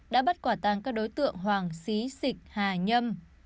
đã bắt quả tăng các đối tượng hoàng xí xịch hà nhâm